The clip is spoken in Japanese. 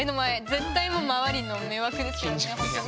絶対もう周りの迷惑ですよね